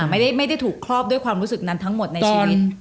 ไม่ได้ถูกครอบด้วยความรู้สึกนั้นทั้งหมดในชีวิต